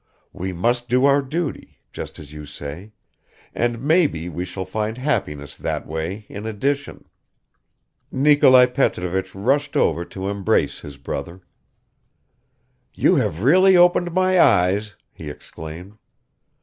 We must do our duty, just as you say, and maybe we shall find happiness that way in addition." Nikolai Petrovich rushed over to embrace his brother. "You have really opened my eyes," he exclaimed.